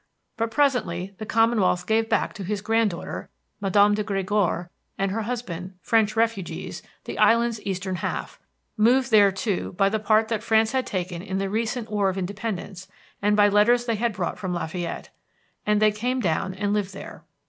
But presently the Commonwealth gave back to his granddaughter Madame de Gregoire and her husband, French refugees, the Island's eastern half, moved thereto by the part that France had taken in the recent War of Independence and by letters they had brought from Lafayette. And they came down and lived there."